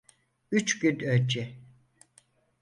Üç gün önce.